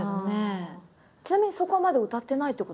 ちなみにそこはまだ歌ってないってことですか？